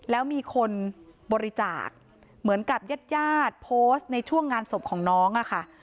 แล้วมีคนบริจาคเหมือนกับญาติญาติโพสต์ในช่วงงานศพของน้องอะค่ะ